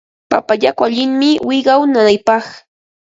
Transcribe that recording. Papa yaku allinmi wiqaw nanaypaq.